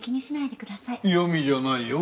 嫌みじゃないよ